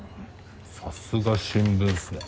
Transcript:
さすが新聞っすね